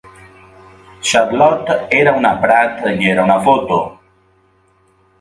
Charlotte... era una Pratt; i era una foto.